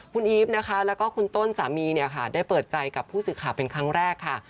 คุณอีฟนะคะแล้วก็คุณต้นสามีเนี่ยค่ะได้เปิดใจกับผู้สื่อข่าวเป็นครั้งแรกค่ะ